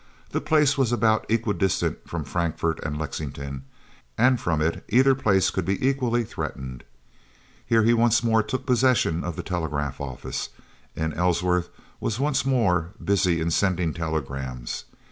The place was about equidistant from Frankfort and Lexington, and from it either place could be equally threatened. Here he once more took possession of the telegraph office, and Ellsworth was once more busy in sending telegrams.